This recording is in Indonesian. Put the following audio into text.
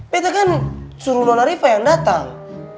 betta kan suruh nona rifa yang datang